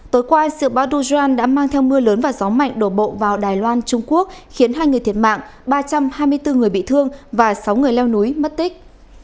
tối qua siêu bão dujan đã mang theo mưa lớn và gió mạnh đổ bộ vào đài loan trung quốc khiến hai người thiệt mạng ba trăm hai mươi bốn người bị thương và sáu người leo núi mất tích